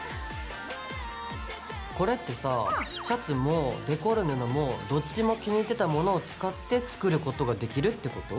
これってさシャツもデコる布もどっちも気に入ってたものを使って作ることができるってこと？